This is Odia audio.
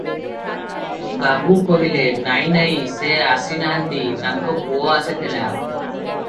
ବାବୁ କହିଲେ – ନାହିଁ, ନାହିଁ ସେ ଆସି ନାହାନ୍ତି, ତାଙ୍କ ପୁଅ ଆସିଥିଲା ।